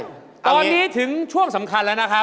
ตอนนี้ถึงช่วงสำคัญแล้วนะครับ